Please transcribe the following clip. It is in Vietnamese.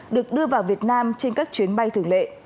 được đưa vào việt nam trên các chuyến bay thường lệ